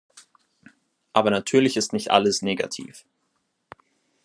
Aber natürlich ist nicht alles negativ.